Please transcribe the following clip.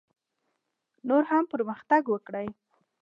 نور هم پرمختګ وکړي.